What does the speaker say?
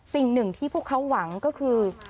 สิ่งหนึ่งที่พวกเขาหวังก็คือ